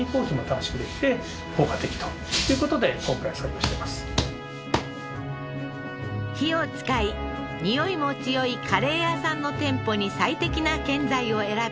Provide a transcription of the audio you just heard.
これはもう火を使い臭いも強いカレー屋さんの店舗に最適な建材を選び